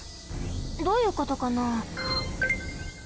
どういうことかな？